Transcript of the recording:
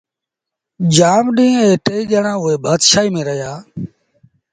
جآم ڏيݩهݩ اي ٽئيٚ ڄآڻآݩ اُئي بآشآئيٚ ميݩ رهيآ